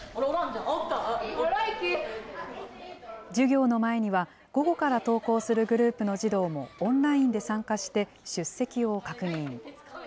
授業の前には、午後から登校するグループの児童もオンラインで参加して出席を確認。